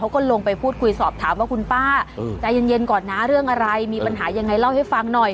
ก็ลงไปพูดคุยสอบถามว่าคุณป้าใจเย็นก่อนนะเรื่องอะไรมีปัญหายังไงเล่าให้ฟังหน่อย